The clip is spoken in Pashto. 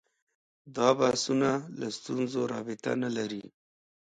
دا بحثونه له ستونزو رابطه نه لري